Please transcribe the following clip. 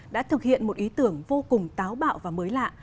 đã thực hiện một ý tưởng vô cùng táo bạo và mới lạ